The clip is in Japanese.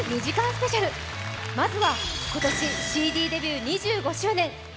スペシャルまずは今年ＣＤデビュー２５周年。